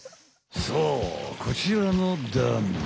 そうこちらのダム。